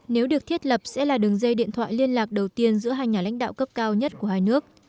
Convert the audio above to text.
nếu được thiết lập sẽ là đường dây điện thoại liên lạc đầu tiên giữa hai nhà lãnh đạo cấp cao nhất của hai nước